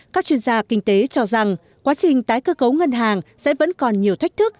các chuyên gia kinh tế cho rằng quá trình tái cơ cấu ngân hàng sẽ vẫn còn nhiều thách thức